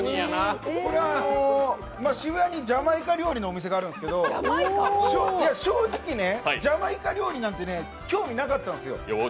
渋谷にジャマイカ料理のお店があるんですけど、正直、ジャマイカ料理なんて興味なかったんですよ。